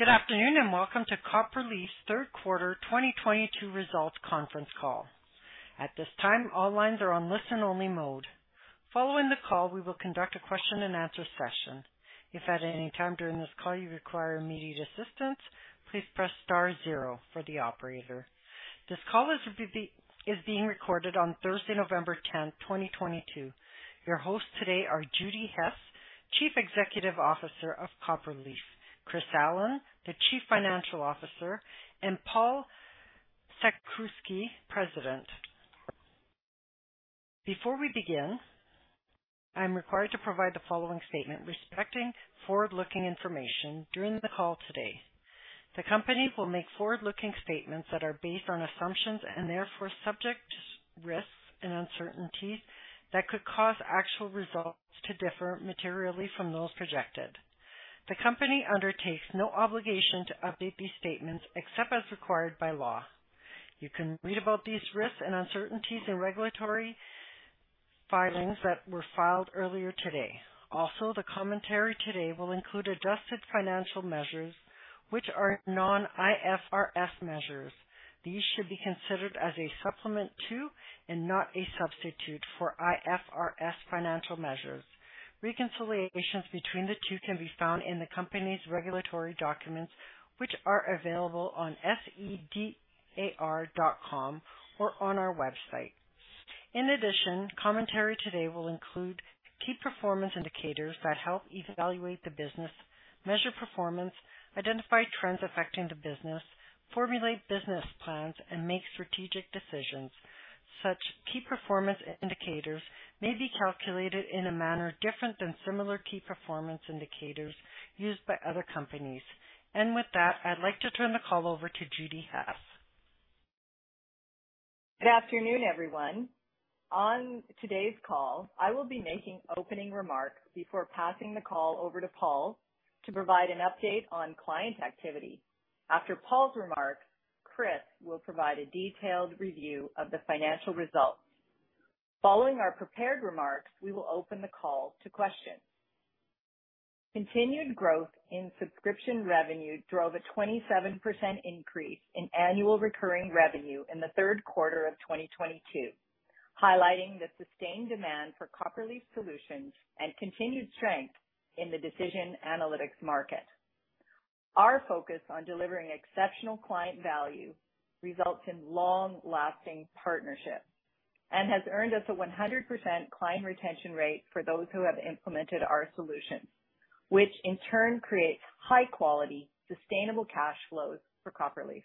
Good afternoon, and welcome to Copperleaf's Third Quarter 2022 Results Conference Call. At this time, all lines are on listen-only mode. Following the call, we will conduct a question- and-answer session. If at any time during this call you require immediate assistance, please press star zero for the operator. This call is being recorded on Thursday, November 10, 2022. Your hosts today are Judi Hess, Chief Executive Officer of Copperleaf, Chris Allen, the Chief Financial Officer, and Paul Sakrzewski, President. Before we begin, I'm required to provide the following statement respecting forward-looking information during the call today. The company will make forward-looking statements that are based on assumptions and therefore subject to risks and uncertainties that could cause actual results to differ materially from those projected. The company undertakes no obligation to update these statements except as required by law. You can read about these risks and uncertainties in regulatory filings that were filed earlier today. Also, the commentary today will include adjusted financial measures which are non-IFRS measures. These should be considered as a supplement to and not a substitute for IFRS financial measures. Reconciliations between the two can be found in the company's regulatory documents, which are available on sedar.com or on our website. In addition, commentary today will include key performance indicators that help evaluate the business, measure performance, identify trends affecting the business, formulate business plans, and make strategic decisions. Such key performance indicators may be calculated in a manner different than similar key performance indicators used by other companies. With that, I'd like to turn the call over to Judi Hess. Good afternoon, everyone. On today's call, I will be making opening remarks before passing the call over to Paul to provide an update on client activity. After Paul's remarks, Chris will provide a detailed review of the financial results. Following our prepared remarks, we will open the call to questions. Continued growth in subscription revenue drove a 27% increase in annual recurring revenue in the third quarter of 2022, highlighting the sustained demand for Copperleaf solutions and continued strength in the decision analytics market. Our focus on delivering exceptional client value results in long-lasting partnerships and has earned us a 100% client retention rate for those who have implemented our solutions, which in turn creates high-quality, sustainable cash flows for Copperleaf.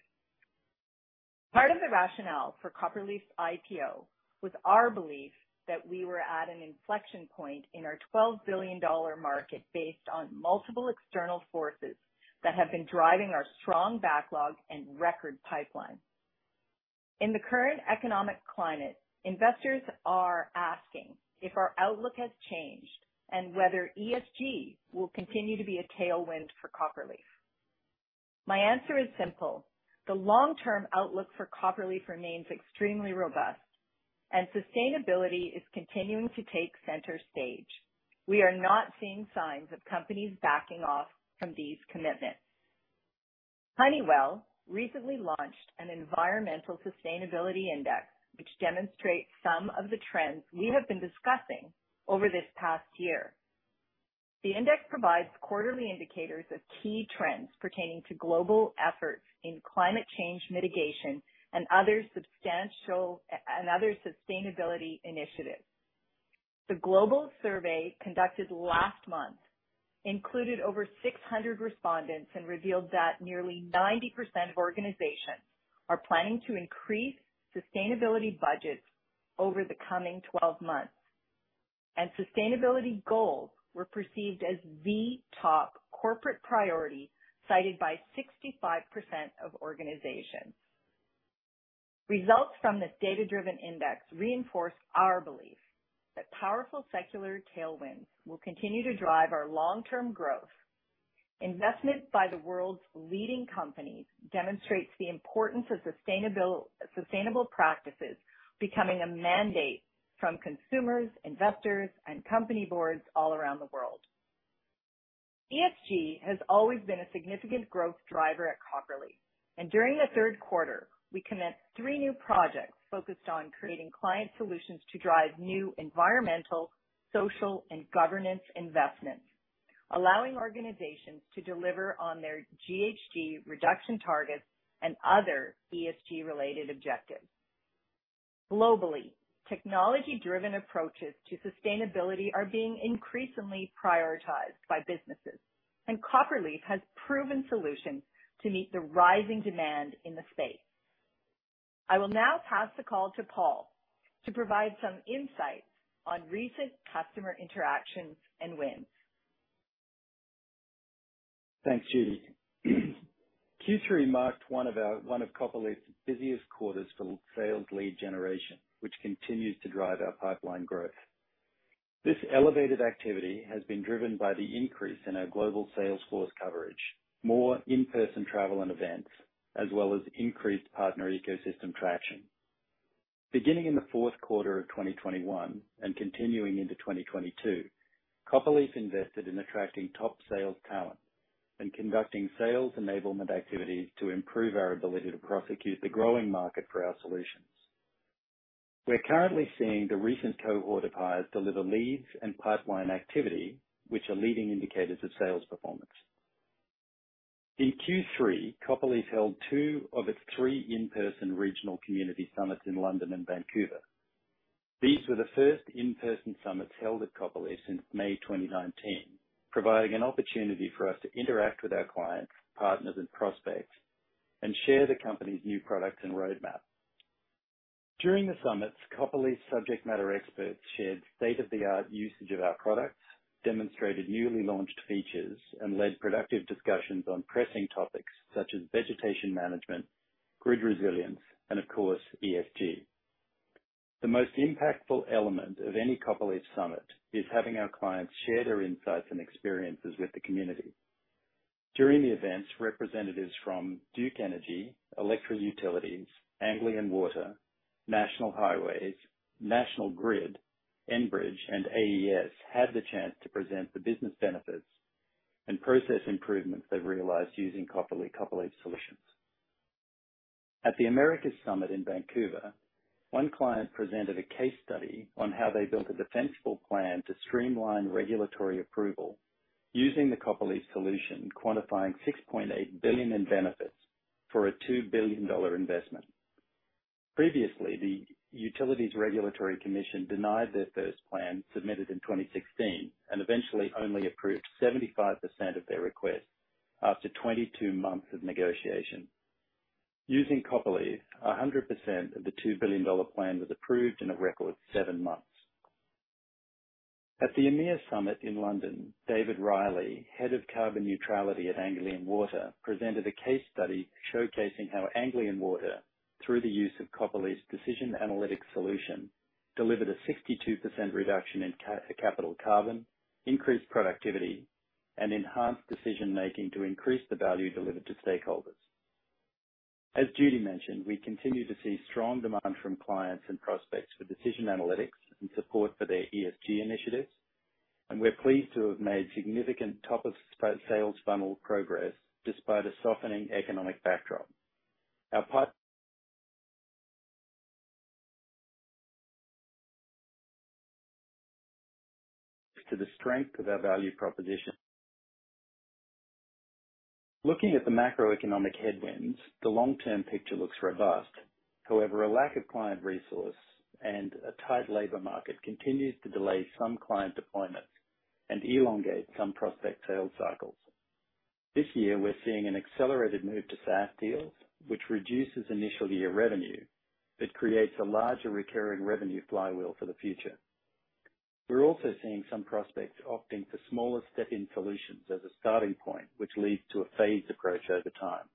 Part of the rationale for Copperleaf's IPO was our belief that we were at an inflection point in our 12 billion dollar market based on multiple external forces that have been driving our strong backlog and record pipeline. In the current economic climate, Investors are asking if our outlook has changed and whether ESG will continue to be a tailwind for Copperleaf. My answer is simple. The long-term outlook for Copperleaf remains extremely robust and sustainability is continuing to take center stage. We are not seeing signs of companies backing off from these commitments. Honeywell recently launched an environmental sustainability index which demonstrates some of the trends we have been discussing over this past year. The index provides quarterly indicators of key trends pertaining to global efforts in climate change mitigation and other sustainability initiatives. The global survey conducted last month included over 600 respondents and revealed that nearly 90% of organizations are planning to increase sustainability budgets over the coming 12 months. Sustainability goals were perceived as the top corporate priority, cited by 65% of organizations. Results from this data-driven index reinforce our belief that powerful secular tailwinds will continue to drive our long-term growth. Investment by the world's leading companies demonstrates the importance of sustainable practices becoming a mandate from consumers, investors, and company boards all around the world. ESG has always been a significant growth driver at Copperleaf, and during the third quarter, we commenced three new projects focused on creating client solutions to drive new environmental, social, and governance investments, allowing organizations to deliver on their GHG reduction targets and other ESG-related objectives. Globally, technology-driven approaches to sustainability are being increasingly prioritized by businesses, and Copperleaf has proven solutions to meet the rising demand in the space. I will now pass the call to Paul to provide some insights on recent customer interactions and wins. Thanks, Judi. Q3 marked one of Copperleaf's busiest quarters for sales lead generation, which continues to drive our pipeline growth. This elevated activity has been driven by the increase in our global sales force coverage, more in-person travel and events, as well as increased partner ecosystem traction. Beginning in the fourth quarter of 2021 and continuing into 2022, Copperleaf invested in attracting top sales talent and conducting sales enablement activities to improve our ability to prosecute the growing market for our solutions. We're currently seeing the recent cohort of hires deliver leads and pipeline activity, which are leading indicators of sales performance. In Q3, Copperleaf held two of its three in-person regional community summits in London and Vancouver. These were the first in-person summits held at Copperleaf since May 2019, providing an opportunity for us to interact with our clients, partners, and prospects and share the company's new products and roadmap. During the summits, Copperleaf's subject matter experts shared state-of-the-art usage of our products, demonstrated newly launched features, and led productive discussions on pressing topics such as vegetation management, grid resilience, and, of course, ESG. The most impactful element of any Copperleaf summit is having our clients share their insights and experiences with the community. During the events, representatives from Duke Energy, Alectra Utilities, Anglian Water, National Highways, National Grid, Enbridge, and AES had the chance to present the business benefits and process improvements they've realized using Copperleaf solutions. At the Americas Summit in Vancouver, one client presented a case study on how they built a defensible plan to streamline regulatory approval using the Copperleaf solution, quantifying $6.8 billion in benefits for a $2 billion investment. Previously, the Utility Regulatory Commission denied their first plan, submitted in 2016, and eventually only approved 75% of their request after 22 months of negotiation. Using Copperleaf, 100% of the $2 billion plan was approved in a record 7 months. At the EMEA Summit in London, David Riley, Head of Carbon Neutrality at Anglian Water, presented a case study showcasing how Anglian Water, through the use of Copperleaf's Decision Analytics solution, delivered a 62% reduction in capital carbon, increased productivity, and enhanced decision-making to increase the value delivered to stakeholders. As Judi mentioned, we continue to see strong demand from clients and prospects for decision analytics in support of their ESG initiatives. We're pleased to have made significant top of sales funnel progress despite a softening economic backdrop. Our pipeline attests to the strength of our value proposition. Looking at the macroeconomic headwinds, the long-term picture looks robust. However, a lack of client resources and a tight labor market continues to delay some client deployments and elongate some prospect sales cycles. This year, we're seeing an accelerated move to SaaS deals, which reduces initial year revenue but creates a larger recurring revenue flywheel for the future. We're also seeing some prospects opting for smaller step-in solutions as a starting point, which leads to a phased approach over time.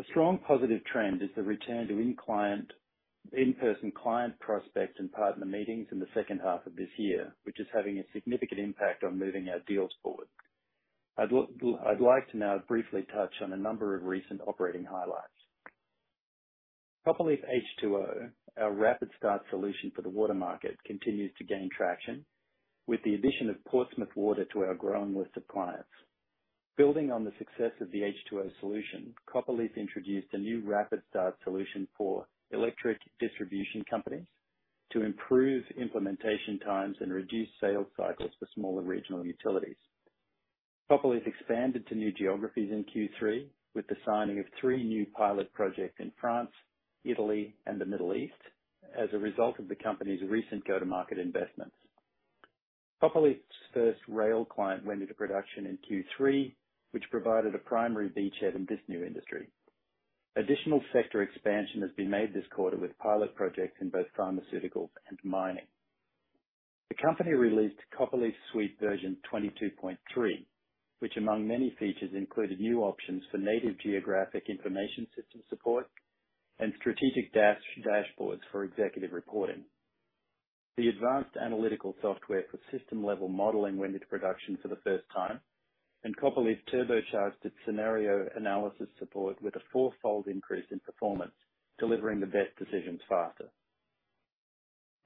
A strong positive trend is the return to in-person client prospect and partner meetings in the second half of this year, which is having a significant impact on moving our deals forward. I'd like to now briefly touch on a number of recent operating highlights. Copperleaf H2O, our rapid start solution for the water market, continues to gain traction with the addition of Portsmouth Water to our growing list of clients. Building on the success of the H2O solution, Copperleaf introduced a new rapid start solution for electric distribution companies to improve implementation times and reduce sales cycles for smaller regional utilities. Copperleaf expanded to new geographies in Q3 with the signing of three new pilot projects in France, Italy, and the Middle East as a result of the company's recent go-to-market investments. Copperleaf's first rail client went into production in Q3, which provided a primary beachhead in this new industry. Additional sector expansion has been made this quarter with pilot projects in both pharmaceuticals and mining. The company released Copperleaf Suite version 22.3, which among many features included new options for native geographic information system support and strategic dashboards for executive reporting. The advanced analytical software for system-level modeling went into production for the first time, and Copperleaf turbocharged its scenario analysis support with a 4-fold increase in performance, delivering the best decisions faster.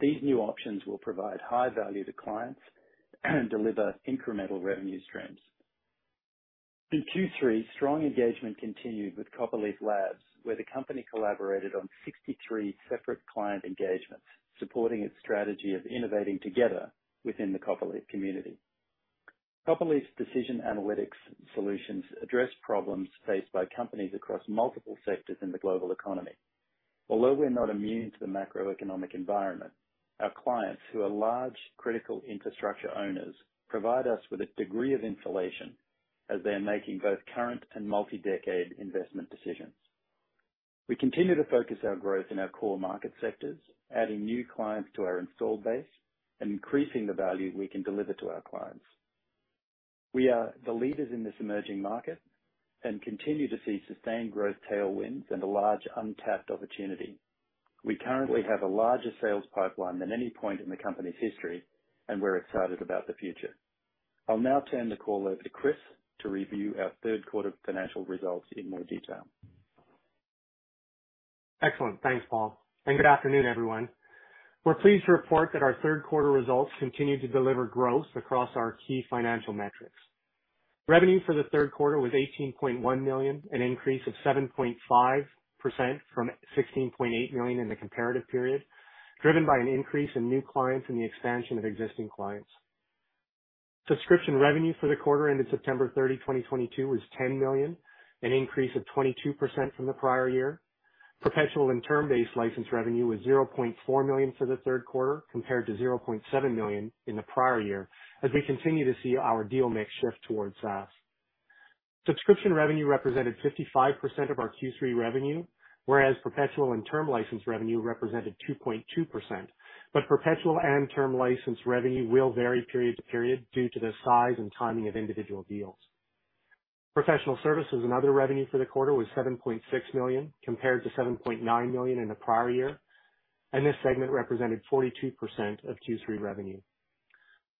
These new options will provide high value to clients and deliver incremental revenue streams. In Q3, strong engagement continued with Copperleaf Labs, where the company collaborated on 63 separate client engagements, supporting its strategy of innovating together within the Copperleaf community. Copperleaf's decision analytics solutions address problems faced by companies across multiple sectors in the global economy. Although we're not immune to the macroeconomic environment, our clients, who are large critical infrastructure owners, provide us with a degree of insulation as they are making both current and multi-decade investment decisions. We continue to focus our growth in our core market sectors, adding new clients to our installed base and increasing the value we can deliver to our clients. We are the leaders in this emerging market and continue to see sustained growth tailwinds, and a large untapped opportunity. We currently have a larger sales pipeline than any point in the company's history, and we're excited about the future. I'll now turn the call over to Chris to review our third-quarter financial results in more detail. Excellent. Thanks, Paul, and good afternoon, everyone. We're pleased to report that our third quarter results continue to deliver growth across our key financial metrics. Revenue for the third quarter was 18.1 million, an increase of 7.5% from 16.8 million in the comparative period, driven by an increase in new clients and the expansion of existing clients. Subscription revenue for the quarter ended September 30, 2022, was 10 million, an increase of 22% from the prior year. Perpetual and term-based license revenue was 0.4 million for the third quarter compared to 0.7 million in the prior year, as we continue to see our deal mix shift towards SaaS. Subscription revenue represented 55% of our Q3 revenue, whereas perpetual and term license revenue represented 2.2%. Perpetual and term license revenue will vary period to period due to the size and timing of individual deals. Professional services and other revenue for the quarter was 7.6 million, compared to 7.9 million in the prior year, and this segment represented 42% of Q3 revenue.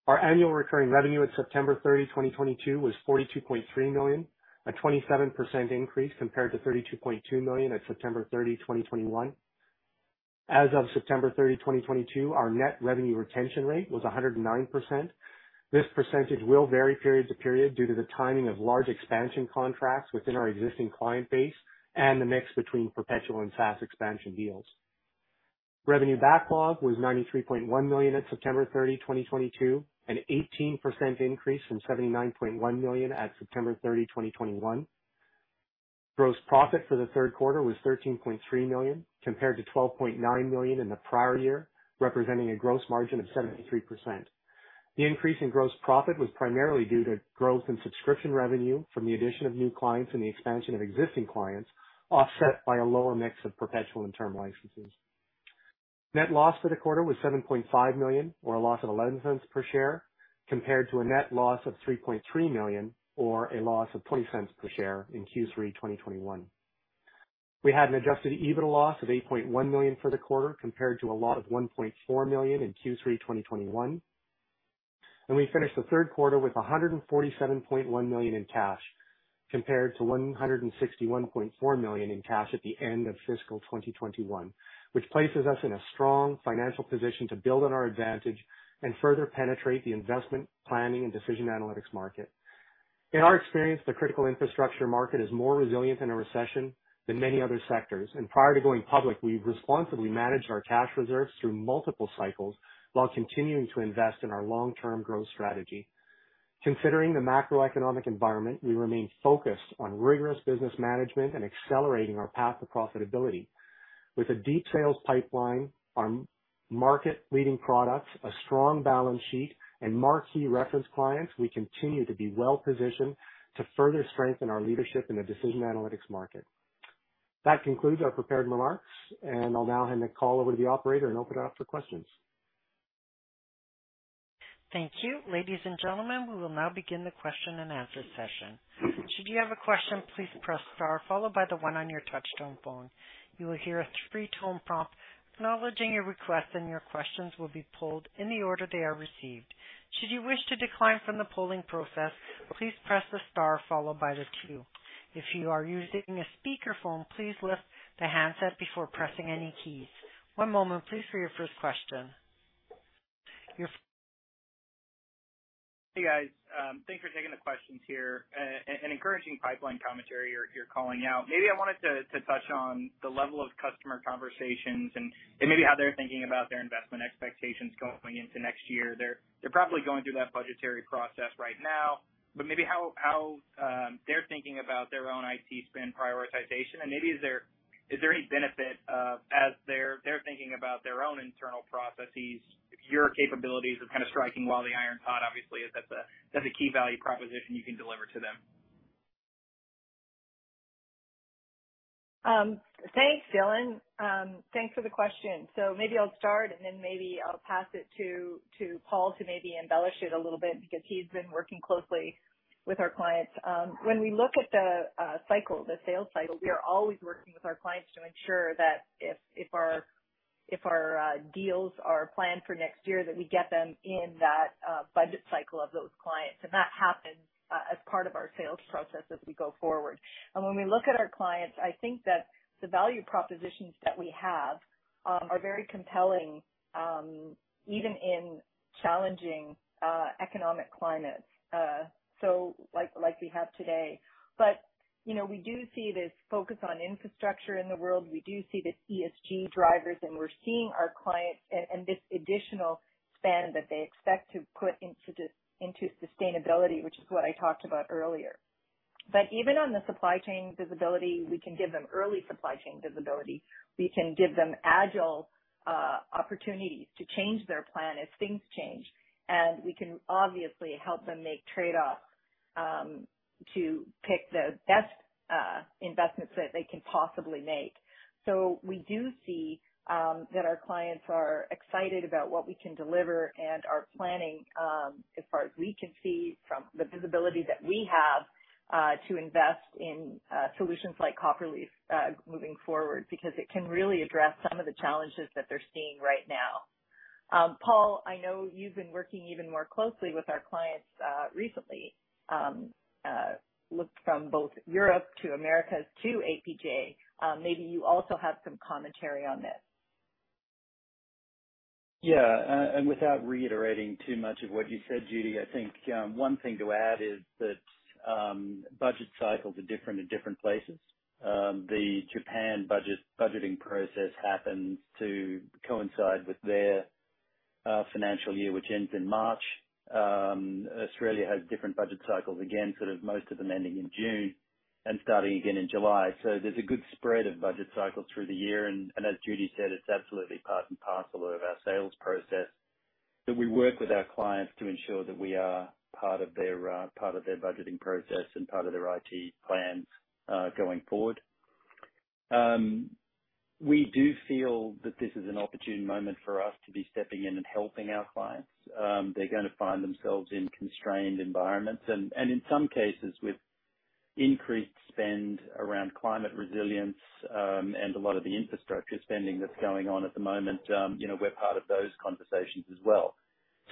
Our annual recurring revenue at September 30, 2022, was 42.3 million, a 27% increase compared to 32.2 million at September 30, 2021. As of September 30, 2022, our net revenue retention rate was 109%. This percentage will vary period to period due to the timing of large expansion contracts within our existing client base and the mix between perpetual and SaaS expansion deals. Revenue backlog was 93.1 million at September 30, 2022, an 18% increase from 79.1 million at September 30, 2021. Gross profit for the third quarter was 13.3 million compared to 12.9 million in the prior year, representing a gross margin of 73%. The increase in gross profit was primarily due to growth in subscription revenue from the addition of new clients and the expansion of existing clients, offset by a lower mix of perpetual and term licenses. Net loss for the quarter was 7.5 million or a loss of 0.11 per share, compared to a net loss of 3.3 million or a loss of 0.20 per share in Q3 2021. We had an adjusted EBITDA loss of 8.1 million for the quarter compared to a loss of 1.4 million in Q3 2021. We finished the third quarter with 147.1 million in cash compared to 161.4 million in cash at the end of fiscal 2021, which places us in a strong financial position to build on our advantage and further penetrate the investment planning and decision analytics market. In our experience, the critical infrastructure market is more resilient in a recession than many other sectors, and prior to going public, we've responsibly managed our cash reserves through multiple cycles while continuing to invest in our long-term growth strategy. Considering the macroeconomic environment, we remain focused on rigorous business management and accelerating our path to profitability. With a deep sales pipeline, our market-leading products, a strong balance sheet, and marquee reference clients, we continue to be well-positioned to further strengthen our leadership in the decision analytics market. That concludes our prepared remarks, and I'll now hand the call over to the operator and open it up for questions. Thank you. Ladies and gentlemen, we will now begin the question-and-answer session. Should you have a question, please press star followed by the one on your touchtone phone. You will hear a three-tone prompt acknowledging your request, and your questions will be pooled in the order they are received. Should you wish to decline from the polling process, please press the star followed by the two. If you are using a speakerphone, please lift the handset before pressing any keys. One moment please for your first question. Hey, guys. Thanks for taking the questions here. An encouraging pipeline commentary you're calling out. Maybe I wanted to touch on the level of customer conversations and maybe how they're thinking about their investment expectations going into next year. They're probably going through that budgetary process right now, but maybe how they're thinking about their own IT spend prioritization, and maybe is there any benefit of as they're thinking about their own internal processes, if your capabilities are kind of striking while the iron hot, obviously, if that's a key value proposition you can deliver to them. Thanks, Dylan. Thanks for the question. Maybe I'll start, and then maybe I'll pass it to Paul to maybe embellish it a little bit because he's been working closely with our clients. When we look at the cycle, the sales cycle, we are always working with our clients to ensure that if our deals are planned for next year, that we get them in that budget cycle of those clients, and that happens as part of our sales process as we go forward. When we look at our clients, I think that the value propositions that we have are very compelling, even in challenging economic climates, so like we have today. You know, we do see this focus on infrastructure in the world. We do see the ESG drivers, and we're seeing our clients and this additional spend that they expect to put into sustainability, which is what I talked about earlier. Even on the supply chain visibility, we can give them early supply chain visibility. We can give them agile opportunities to change their plan as things change, and we can obviously help them make trade-offs to pick the best investments that they can possibly make. We do see that our clients are excited about what we can deliver and are planning, as far as we can see for the visibility that we have, to invest in solutions like Copperleaf moving forward because it can really address some of the challenges that they're seeing right now. Paul, I know you've been working even more closely with our clients recently, looking from both Europe to Americas to APJ. Maybe you also have some commentary on this. Yeah. Without reiterating too much of what you said, Judi, I think one thing to add is that budget cycles are different in different places. The Japan budgeting process happens to coincide with their financial year, which ends in March. Australia has different budget cycles, again, sort of most of them ending in June and starting again in July. There's a good spread of budget cycles through the year. As Judi said, it's absolutely part and parcel of our sales process, that we work with our clients to ensure that we are part of their budgeting process and part of their IT plans going forward. We do feel that this is an opportune moment for us to be stepping in and helping our clients. They're gonna find themselves in constrained environments and in some cases with increased spend around climate resilience, and a lot of the infrastructure spending that's going on at the moment. You know, we're part of those conversations as well.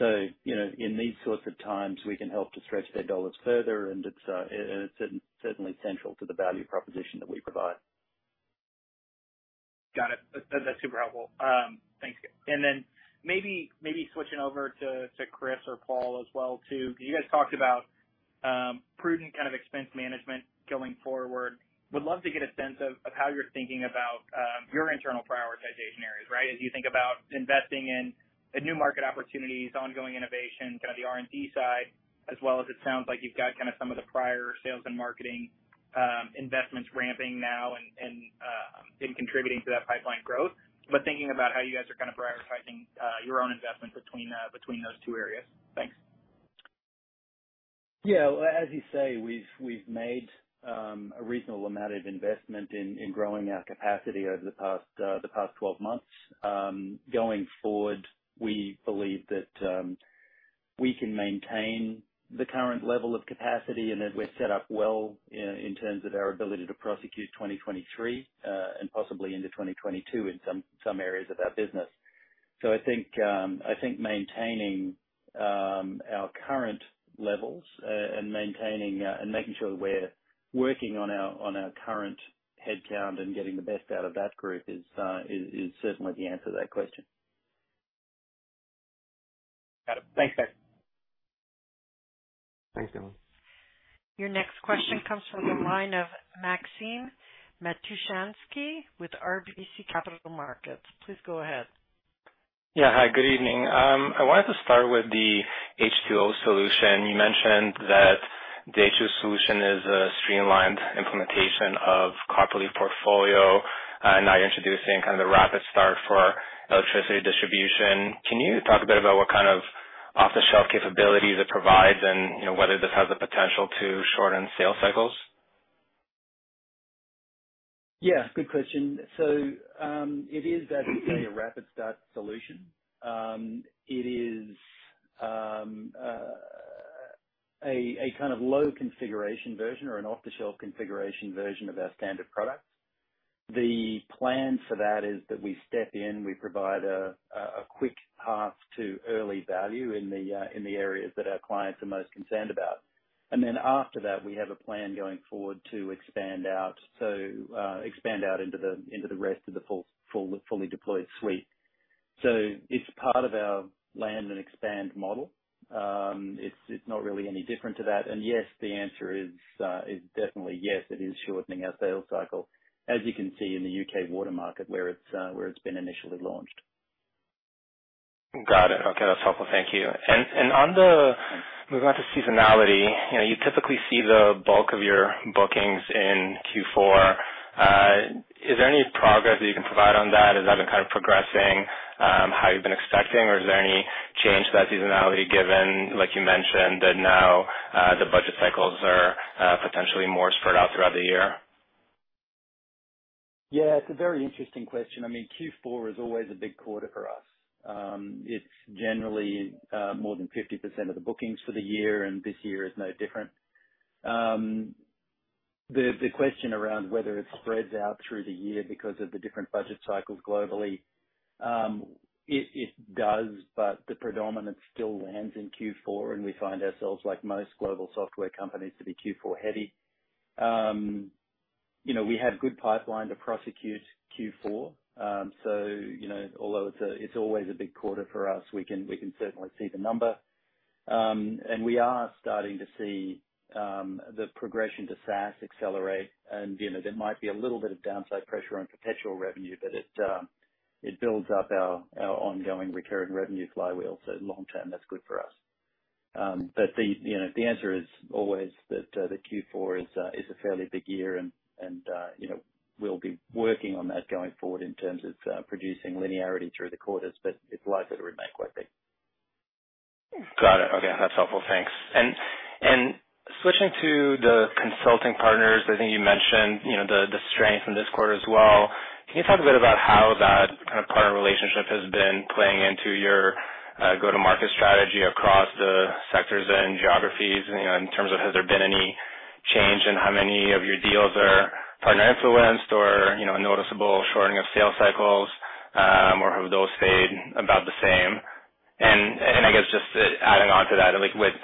You know, in these sorts of times, we can help to stretch their dollars further, and it's certainly central to the value proposition that we provide. Got it. That's super helpful. Thanks. Maybe switching over to Chris or Paul as well too. You guys talked about prudent kind of expense management going forward. Would love to get a sense of how you're thinking about your internal prioritization areas, right? As you think about investing in new market opportunities, ongoing innovation, kind of the R&D side, as well as it sounds like you've got kind of some of the prior sales and marketing investments ramping now and contributing to that pipeline growth. Thinking about how you guys are kind of prioritizing your own investment between those two areas. Thanks. Yeah. As you say, we've made a reasonable amount of investment in growing our capacity over the past 12 months. Going forward, we believe that we can maintain the current level of capacity and that we're set up well in terms of our ability to prosecute 2023 and possibly into 2022 in some areas of our business. I think maintaining our current levels and making sure we're working on our current headcount and getting the best out of that group is certainly the answer to that question. Got it. Thanks, guys. Thanks, Dylan. Your next question comes from the line of Maxim Matushansky with RBC Capital Markets. Please go ahead. Yeah. Hi, good evening. I wanted to start with the H2O solution. You mentioned that the H2O solution is a streamlined implementation of Copperleaf Portfolio, and now you're introducing kind of the rapid start for electricity distribution. Can you talk a bit about what kind of off-the-shelf capabilities it provides and, you know, whether this has the potential to shorten sales cycles? Yeah, good question. It is definitely a rapid start solution. It is a kind of low configuration version or an off-the-shelf configuration version of our standard products. The plan for that is that we step in, we provide a quick path to early value in the areas that our clients are most concerned about. After that, we have a plan going forward to expand out into the rest of the fully deployed suite. It's part of our land and expand model. It's not really any different to that. Yes, the answer is definitely yes, it is shortening our sales cycle, as you can see in the U.K. water market, where it's been initially launched. Got it. Okay, that's helpful. Thank you. Moving on to seasonality, you know, you typically see the bulk of your bookings in Q4. Is there any progress that you can provide on that? Has that been kind of progressing how you've been expecting, or is there any change to that seasonality given, like you mentioned, that now the budget cycles are potentially more spread out throughout the year? Yeah, it's a very interesting question. I mean, Q4 is always a big quarter for us. It's generally more than 50% of the bookings for the year, and this year is no different. The question around whether it spreads out through the year because of the different budget cycles globally, it does, but the predominant still lands in Q4, and we find ourselves, like most global software companies, to be Q4 heavy. You know, we have good pipeline to prosecute Q4. You know, although it's always a big quarter for us, we can certainly see the number. We are starting to see the progression to SaaS accelerate. You know, there might be a little bit of downside pressure on perpetual revenue, but it builds up our ongoing recurring revenue flywheel. Long term, that's good for us. You know, the answer is always that the Q4 is a fairly big quarter and you know, we'll be working on that going forward in terms of producing linearity through the quarters, but it's likely to remain quite big. Got it. Okay, that's helpful. Thanks. Switching to the consulting partners, I think you mentioned, you know, the strength in this quarter as well. Can you talk a bit about how that kind of partner relationship has been playing into your go-to-market strategy across the sectors and geographies? You know, in terms of has there been any change in how many of your deals are partner-influenced or, you know, noticeable shortening of sales cycles, or have those stayed about the same? I guess just adding on to that, like, with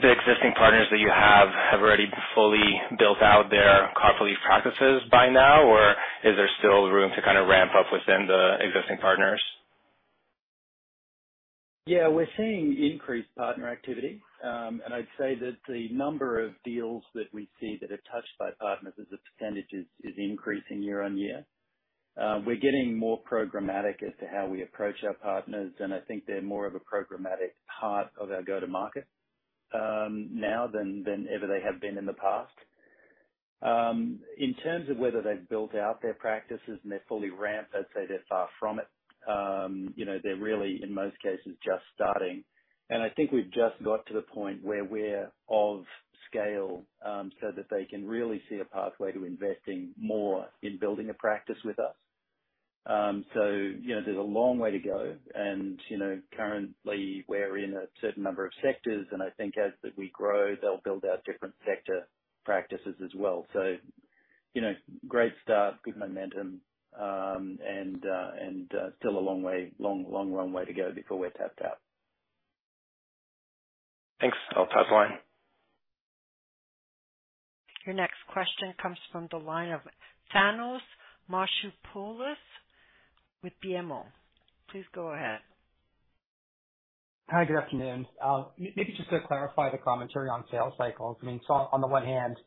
the existing partners that you have already fully built out their Copperleaf practices by now, or is there still room to kind of ramp up within the existing partners? Yeah, we're seeing increased partner activity. I'd say that the number of deals that we see that are touched by partners as a percentage is increasing year-on-year. We're getting more programmatic as to how we approach our partners, and I think they're more of a programmatic part of our go-to-market now than ever they have been in the past. In terms of whether they've built out their practices and they're fully ramped, I'd say they're far from it. You know, they're really, in most cases, just starting. I think we've just got to the point where we're of scale, so that they can really see a pathway to investing more in building a practice with us. You know, there's a long way to go and, you know, currently we're in a certain number of sectors, and I think as we grow, they'll build out different sector practices as well. You know, great start, good momentum, and still a long way to go before we're tapped out. Thanks. I'll pass the line. Your next question comes from the line of Thanos Moschopoulos with BMO. Please go ahead. Hi. Good afternoon. Maybe just to clarify the commentary on sales cycles. I mean, on the one hand,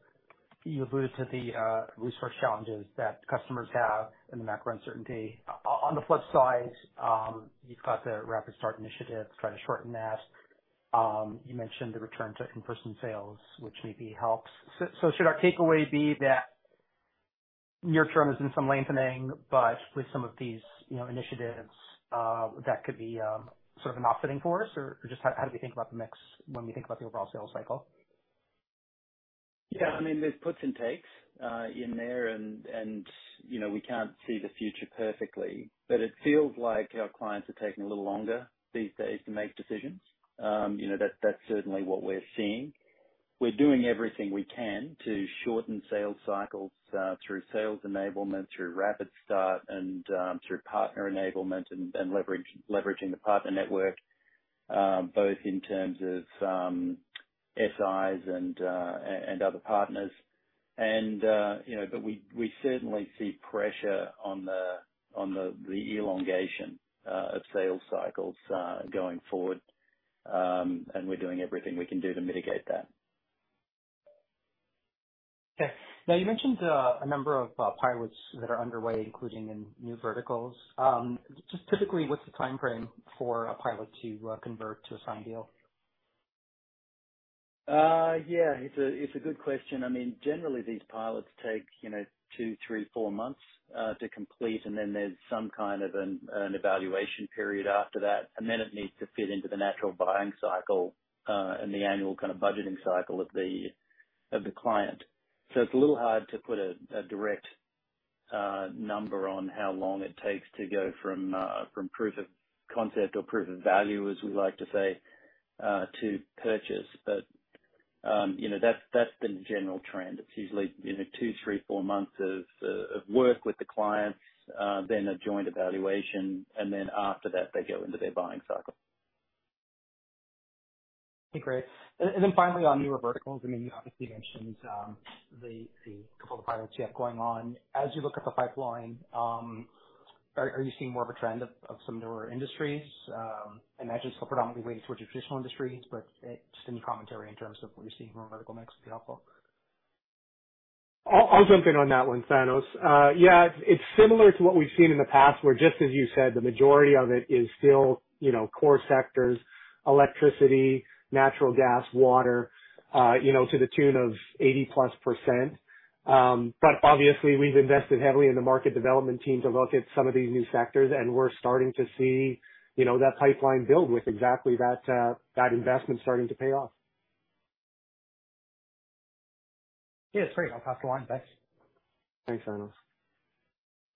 you alluded to the resource challenges that customers have and the macro uncertainty. On the flip side, you've got the rapid start initiatives trying to shorten that. You mentioned the return to in-person sales, which maybe helps. Should our takeaway be that near term has been some lengthening, but with some of these, you know, initiatives, that could be sort of an offsetting force? Or just how do we think about the mix when we think about the overall sales cycle? Yeah, I mean, there's puts and takes in there and, you know, we can't see the future perfectly, but it feels like our clients are taking a little longer these days to make decisions. You know, that's certainly what we're seeing. We're doing everything we can to shorten sales cycles through sales enablement, through rapid start and through partner enablement and leveraging the partner network both in terms of SIs and other partners. You know, but we certainly see pressure on the elongation of sales cycles going forward, and we're doing everything we can do to mitigate that. Okay. Now, you mentioned a number of pilots that are underway, including in new verticals. Just typically, what's the timeframe for a pilot to convert to a signed deal? Yeah, it's a good question. I mean, generally these pilots take, you know, two, three, four months to complete, and then there's some kind of an evaluation period after that, and then it needs to fit into the natural buying cycle and the annual kind of budgeting cycle of the client. It's a little hard to put a direct number on how long it takes to go from proof of concept or proof of value, as we like to say, to purchase. You know, that's the general trend. It's usually, you know, two, three, four months of work with the clients, then a joint evaluation, and then after that they go into their buying cycle. Okay, great. Finally, on newer verticals, I mean, you obviously mentioned the couple of pilots you have going on. As you look at the pipeline, are you seeing more of a trend of some newer industries? I imagine still predominantly weighted towards your traditional industries, but just any commentary in terms of what you're seeing from a vertical mix would be helpful. I'll jump in on that one, Thanos. Yeah, it's similar to what we've seen in the past, where just as you said, the majority of it is still, you know, core sectors, electricity, natural gas, water, you know, to the tune of 80%+. Obviously, we've invested heavily in the market development team to look at some of these new sectors, and we're starting to see, you know, that pipeline build with exactly that investment starting to pay off. Yeah. Great. I'll pass the line. Thanks. Thanks, Thanos.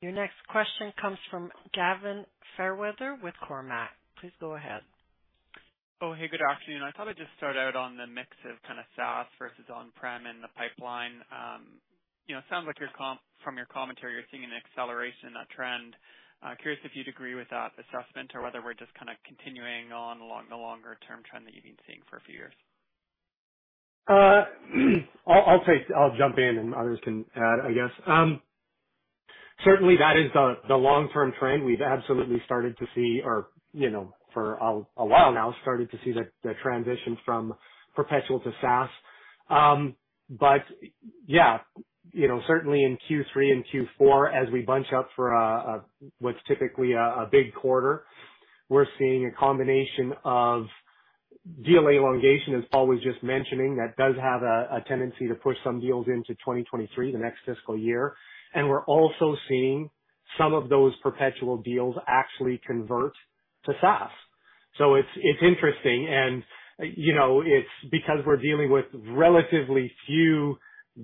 Your next question comes from Gavin Fairweather with Cormark. Please go ahead. Oh, hey, good afternoon. I'd probably just start out on the mix of kind of SaaS versus on-prem in the pipeline. You know, it sounds like from your commentary, you're seeing an acceleration in that trend. Curious if you'd agree with that assessment or whether we're just kinda continuing on along the longer-term trend that you've been seeing for a few years. I'll jump in and others can add, I guess. Certainly, that is the long-term trend. We've absolutely started to see, you know, for a while now, the transition from perpetual to SaaS. But yeah, you know, certainly in Q3 and Q4 as we bunch up for what's typically a big quarter, we're seeing a combination of deal elongation, as Paul was just mentioning. That does have a tendency to push some deals into 2023, the next fiscal year. We're also seeing some of those perpetual deals actually convert to SaaS. It's interesting and, you know, it's because we're dealing with relatively few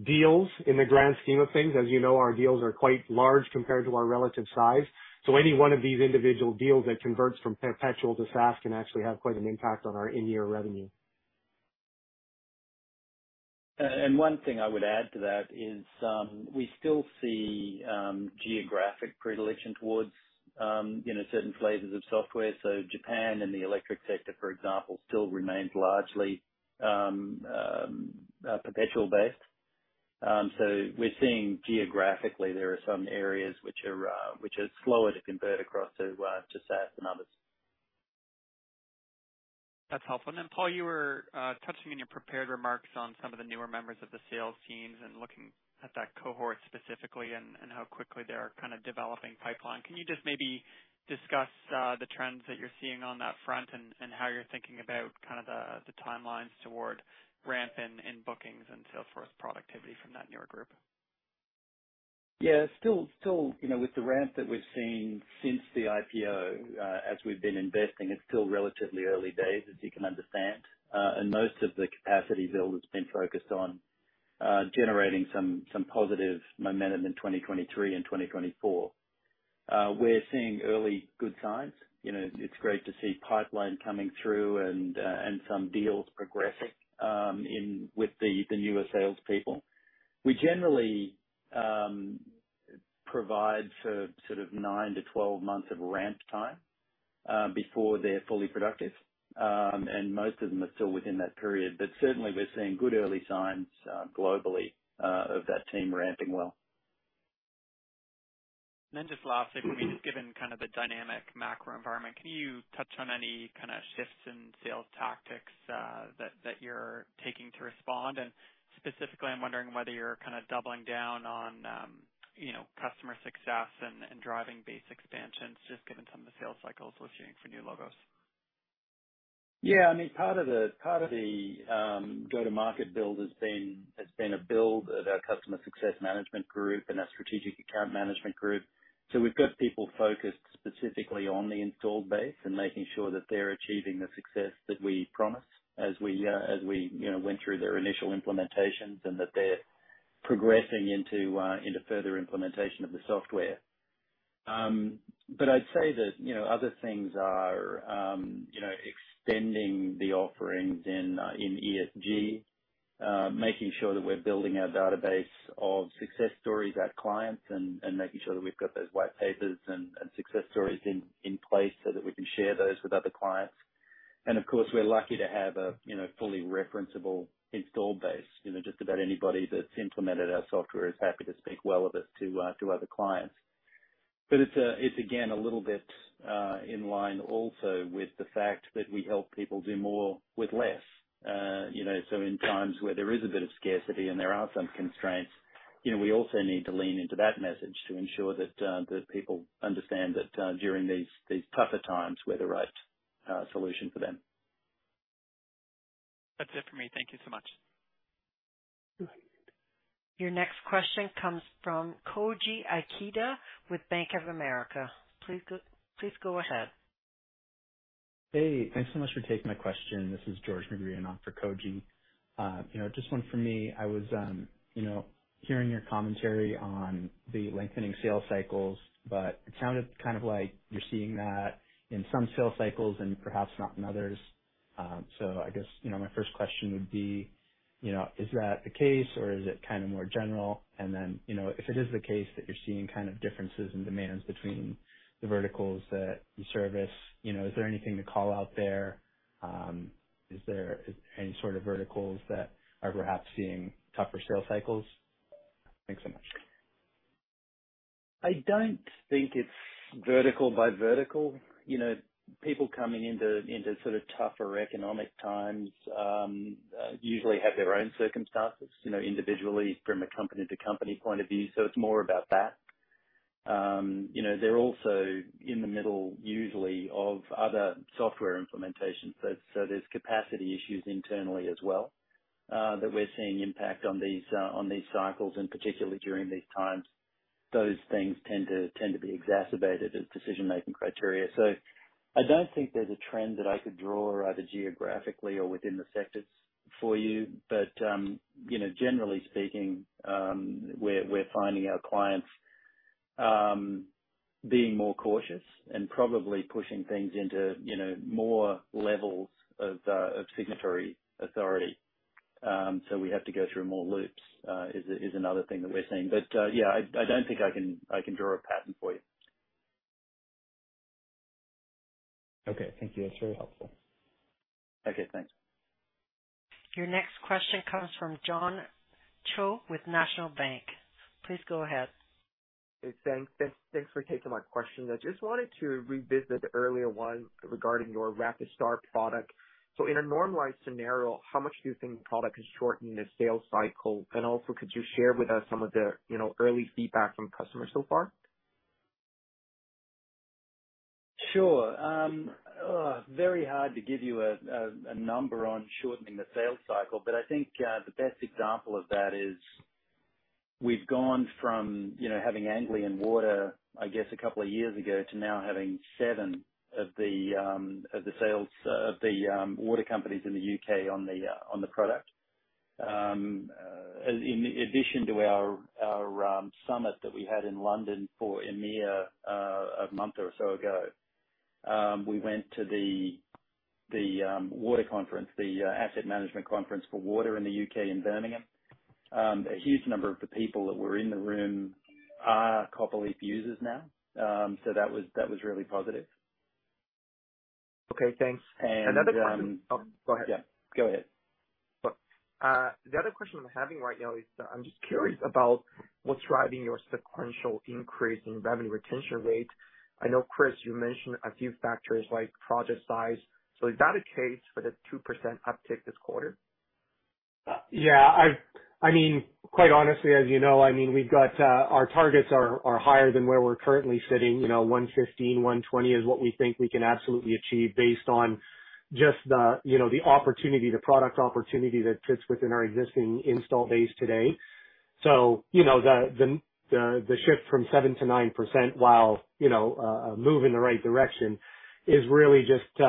deals in the grand scheme of things. As you know, our deals are quite large compared to our relative size. Any one of these individual deals that converts from perpetual to SaaS can actually have quite an impact on our in-year revenue. One thing I would add to that is, we still see geographic predilection towards, you know, certain flavors of software. Japan and the electric sector, for example, still remains largely perpetual based. We're seeing geographically there are some areas which are slower to convert across to SaaS than others. That's helpful. Paul, you were touching in your prepared remarks on some of the newer members of the sales teams and looking at that cohort specifically and how quickly they are kinda developing pipeline. Can you just maybe discuss the trends that you're seeing on that front and how you're thinking about kind of the timelines toward ramp in bookings and sales force productivity from that newer group? Yeah, still, you know, with the ramp that we've seen since the IPO, as we've been investing, it's still relatively early days, as you can understand. Most of the capacity build has been focused on generating some positive momentum in 2023 and 2024. We're seeing early good signs. You know, it's great to see pipeline coming through and some deals progressing with the newer salespeople. We generally provide for sort of 9-12 months of ramp time before they're fully productive. Most of them are still within that period. Certainly, we're seeing good early signs globally of that team ramping well. Then just lastly for me, just given kind of the dynamic macro environment, can you touch on any kinda shifts in sales tactics that you're taking to respond? Specifically, I'm wondering whether you're kinda doubling down on you know, customer success and driving base expansions, just given some of the sales cycles we're seeing for new logos. Yeah, I mean, part of the go-to-market build has been a build of our customer success management group and our strategic account management group. So we've got people focused specifically on the installed base and making sure that they're achieving the success that we promised as we, you know, went through their initial implementations and that they're progressing into further implementation of the software. But I'd say that, you know, other things are, you know, extending the offerings in ESG, making sure that we're building our database of success stories, our clients and making sure that we've got those white papers and success stories in place so that we can share those with other clients. Of course, we're lucky to have a, you know, fully referenceable install base. You know, just about anybody that's implemented our software is happy to speak well of us to other clients. It's again a little bit in line also with the fact that we help people do more with less. You know, in times where there is a bit of scarcity, and there are some constraints, you know, we also need to lean into that message to ensure that people understand that during these tougher times, we're the right solution for them. That's it for me. Thank you so much. Go ahead. Your next question comes from George with Bank of America. Please go ahead. Hey, thanks so much for taking my question. This is George filling in for Koji. You know, just one for me. I was, you know, hearing your commentary on the lengthening sales cycles, but it sounded kind of like you're seeing that in some sales cycles and perhaps not in others. I guess, you know, my first question would be, you know, is that the case or is it kinda more general? You know, if it is the case that you're seeing kind of differences in demands between the verticals that you service, you know, is there anything to call out there? Is there any sort of verticals that are perhaps seeing tougher sales cycles? Thanks so much. I don't think it's vertical by vertical. You know, people coming into sort of tougher economic times usually have their own circumstances, you know, individually from a company-to-company point of view. It's more about that. You know, they're also in the middle usually of other software implementations. There's capacity issues internally as well that we're seeing impact on these cycles, and particularly during these times, those things tend to be exacerbated as decision-making criteria. I don't think there's a trend that I could draw either geographically or within the sectors for you. You know, generally speaking, we're finding our clients being more cautious and probably pushing things into, you know, more levels of signatory authority. We have to go through more loops is another thing that we're seeing. Yeah, I don't think I can draw a pattern for you. Okay. Thank you. That's very helpful. Okay, thanks. Your next question comes from John Shao with National Bank Financial. Please go ahead. Hey, thanks. Thanks for taking my question. I just wanted to revisit the earlier one regarding your H2O product. In a normalized scenario, how much do you think the product has shortened the sales cycle? And also, could you share with us some of the, you know, early feedback from customers so far? Sure. Very hard to give you a number on shortening the sales cycle, but I think the best example of that is. We've gone from, you know, having Anglian Water, I guess, a couple of years ago to now having seven of the water companies in the U.K. on the product. In addition to our summit that we had in London for EMEA a month or so ago, we went to the water conference, the Asset Management Conference for Water in the U.K. in Birmingham. A huge number of the people that were in the room are Copperleaf users now. That was really positive. Okay, thanks. And-- Another question. Oh, go ahead. Yeah, go ahead. The other question I'm having right now is, I'm just curious about what's driving your sequential increase in revenue retention rate. I know, Chris, you mentioned a few factors like project size. Is that a case for the 2% uptick this quarter? I mean, quite honestly, as you know, I mean, we've got our targets are higher than where we're currently sitting. You know, 115, 120 is what we think we can absolutely achieve based on just the opportunity, the product opportunity that fits within our existing install base today. You know, the shift from 7%-9%, while a move in the right direction is really just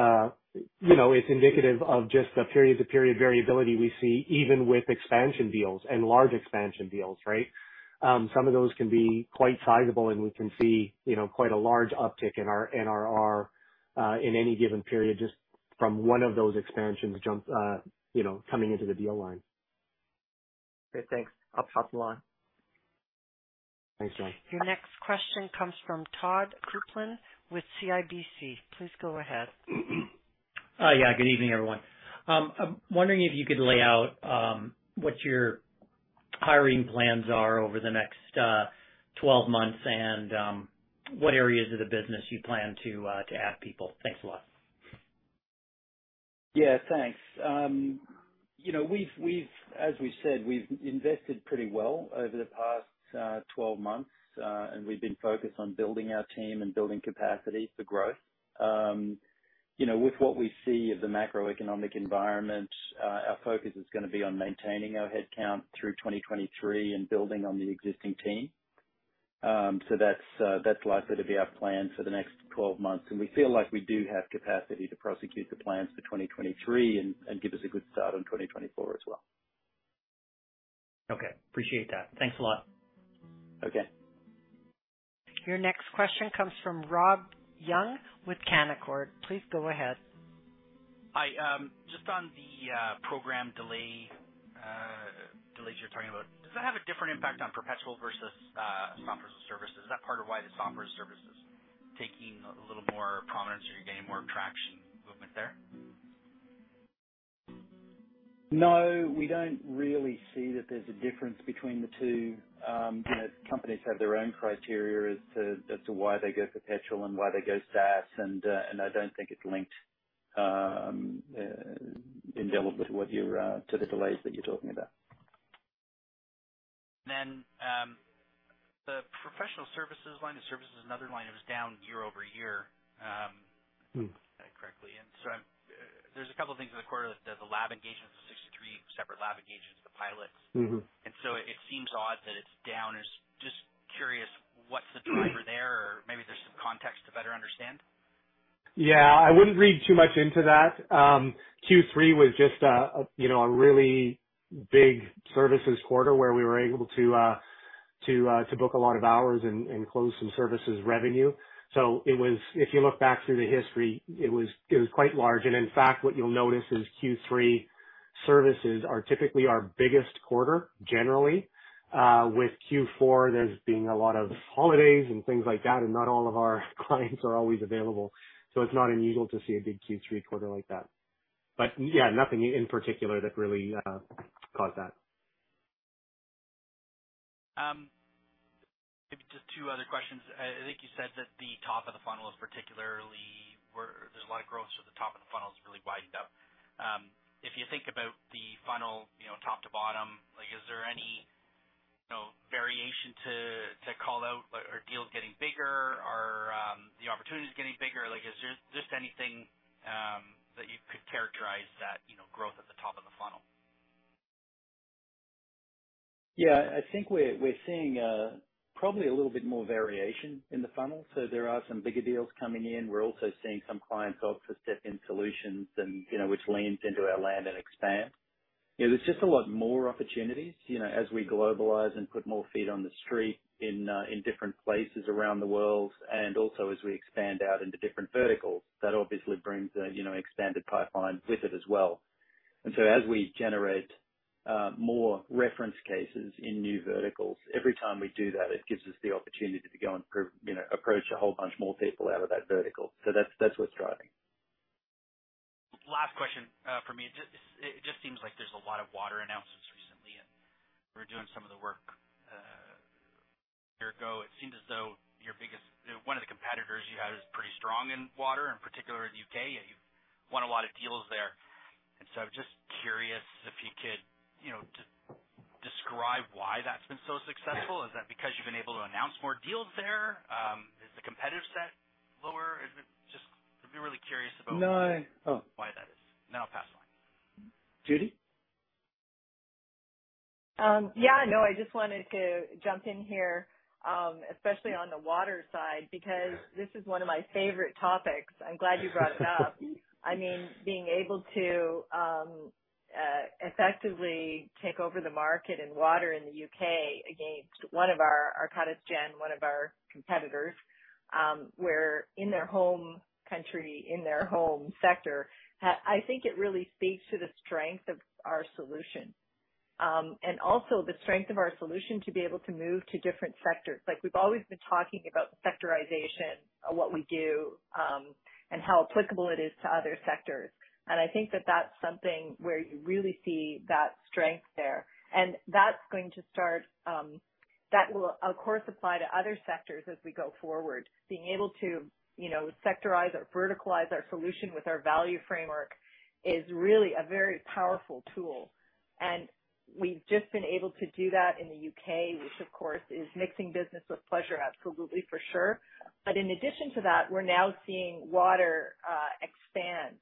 indicative of just the period-to-period variability we see even with expansion deals and large expansion deals, right? Some of those can be quite sizable, and we can see quite a large uptick in our NRR in any given period just from one of those expansions jump coming into the deal line. Great. Thanks. I'll hop along. Thanks, Ryan. Your next question comes from Todd Coupland with CIBC. Please go ahead. Yeah, good evening, everyone. I'm wondering if you could lay out what your hiring plans are over the next 12 months, and what areas of the business you plan to add people. Thanks a lot. Yeah, thanks. You know, as we said, we've invested pretty well over the past 12 months, and we've been focused on building our team and building capacity for growth. You know, with what we see of the macroeconomic environment, our focus is gonna be on maintaining our head-count through 2023 and building on the existing team. That's likely to be our plan for the next 12 months, and we feel like we do have capacity to prosecute the plans for 2023 and give us a good start on 2024 as well. Okay. Appreciate that. Thanks a lot. Okay. Your next question comes from Rob Young with Canaccord Genuity. Please go ahead. Hi. Just on the program delays you're talking about, does that have a different impact on perpetual versus software as a service? Is that part of why the software as a service is taking a little more prominence, or you're gaining more traction movement there? No, we don't really see that there's a difference between the two. You know, companies have their own criteria as to why they go perpetual and why they go SaaS, and I don't think it's linked to the delays that you're talking about. The professional services line of services, another line that was down year-over-year. If I have that correctly. There's a couple of things in the quarter. There's the lab engagements, the 63 separate lab engagements, the pilots. It seems odd that it's down. Just curious, what's the driver there? Or maybe there's some context to better understand. Yeah, I wouldn't read too much into that. Q3 was just a, you know, a really big services quarter where we were able to book a lot of hours and close some services revenue. If you look back through the history, it was quite large. In fact, what you'll notice is Q3 services are typically our biggest quarter generally. With Q4, there's been a lot of holidays and things like that, and not all of our clients are always available, so it's not unusual to see a big Q3 quarter like that. Yeah, nothing in particular that really caused that. Maybe just two other questions. I think you said that the top of the funnel is particularly where there's a lot of growth, so the top of the funnel is really widened out. If you think about the funnel, you know, top to bottom, like, is there any, you know, variation to call out? Are deals getting bigger? Are the opportunities getting bigger? Like, is there just anything that you could characterize that, you know, growth at the top of the funnel? Yeah. I think we're seeing probably a little bit more variation in the funnel. There are some bigger deals coming in. We're also seeing some clients opt for step-in solutions and, you know, which leans into our land and expand. You know, there's just a lot more opportunities, you know, as we globalize and put more feet on the street in different places around the world, and also as we expand out into different verticals. That obviously brings a, you know, expanded pipeline with it as well. As we generate more reference cases in new verticals, every time we do that, it gives us the opportunity to go and you know, approach a whole bunch more people out of that vertical. That's what's driving. Last question from me. It just seems like there's a lot of water announcements recently, and we're doing some of the work. A year ago, it seemed as though your biggest one of the competitors you had was pretty strong in water, in particular in the U.K. You've won a lot of deals there. I'm just curious if you could, you know, describe why that's been so successful. Is that because you've been able to announce more deals? No. Oh. Why that is. Now pass the line. Judi? Yeah, no, I just wanted to jump in here, especially on the water side, because this is one of my favorite topics. I'm glad you brought it up. I mean, being able to effectively take over the market in water in the U.K. against one of our, Arcadis Gen, one of our competitors, where in their home country, in their home sector. I think it really speaks to the strength of our solution. And also the strength of our solution to be able to move to different sectors. Like we've always been talking about sectorization of what we do, and how applicable it is to other sectors. I think that that's something where you really see that strength there. That's going to start, that will of course apply to other sectors as we go forward. Being able to, you know, sectorize or verticalize our solution with our value framework is really a very powerful tool, and we've just been able to do that in the U.K., which of course is mixing business with pleasure, absolutely for sure. In addition to that, we're now seeing water expand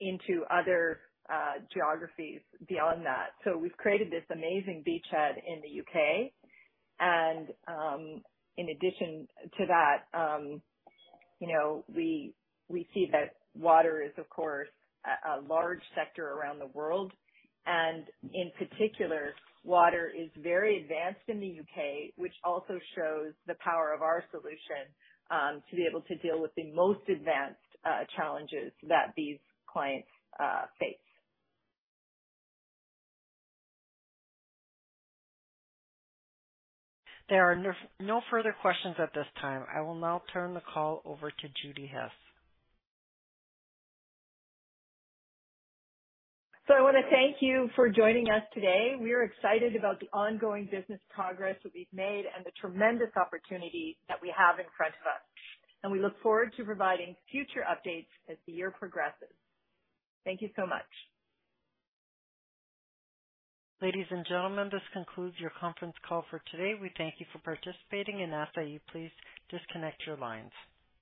into other geographies beyond that. We've created this amazing beachhead in the U.K. In addition to that, you know, we see that water is of course a large sector around the world, and in particular, water is very advanced in the U.K., which also shows the power of our solution to be able to deal with the most advanced challenges that these clients face. There are no further questions at this time. I will now turn the call over to Judi Hess. I wanna thank you for joining us today. We are excited about the ongoing business progress that we've made and the tremendous opportunity that we have in front of us. We look forward to providing future updates as the year progresses. Thank you so much. Ladies and gentlemen, this concludes your conference call for today. We thank you for participating and ask that you please disconnect your lines.